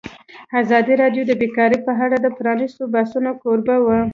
ازادي راډیو د بیکاري په اړه د پرانیستو بحثونو کوربه وه.